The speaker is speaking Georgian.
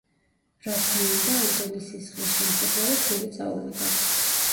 რა თქმა უნდა, ამდენი სისხლის შემხედვარეს, გული წაუვიდა.